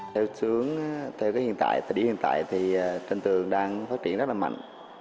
theo xu hướng theo cái hiện tại tại địa hiện tại thì tranh tường đang phát triển rất là mạnh